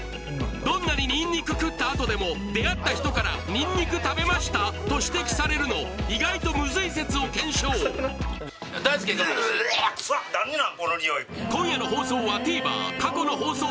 どんなにニンニク食ったあとでも出会った人から「ニンニク食べました？」と指摘されるの意外とムズい説を検証大輔がオエッ臭っ何でなん？